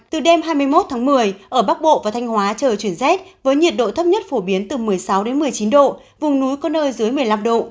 từ đêm hai mươi một tháng một mươi ở bắc bộ và thanh hóa trời chuyển rét với nhiệt độ thấp nhất phổ biến từ một mươi sáu một mươi chín độ vùng núi có nơi dưới một mươi năm độ